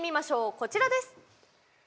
こちらです。